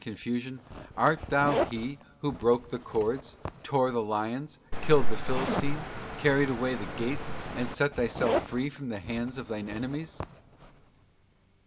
| confusion, Art thou he who broke the cords, tore the lions, ——— killed the Philistines, carried away the gates, and set thyself Fall of the Angels, free from the hands of thine enemies